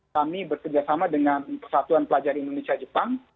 kami bekerjasama dengan persatuan pelajar indonesia jepang